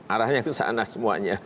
arahnya ke sana semuanya